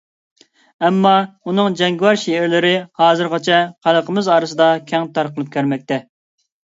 ئەمما، ئۇنىڭ جەڭگىۋار شېئىرلىرى، ھازىرغىچە خەلقىمىز ئارىسىدا كەڭ تارقىلىپ كەلمەكتە.